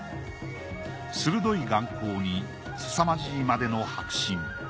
鋭い眼光にすさまじいまでの迫真。